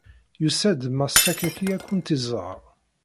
Yusa-d Mass Sakaki ad kent-iẓeṛ.